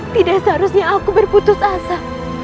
tidak seharusnya aku berputus asa